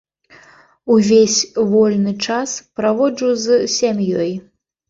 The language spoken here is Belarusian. Увесь вольны час праводжу з сям'ёй.